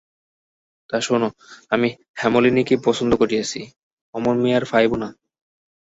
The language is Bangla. তা শেনো, আমি হেমনলিনীকেই পছন্দ করিয়াছি–অমন মেয়ে আর পাইব না।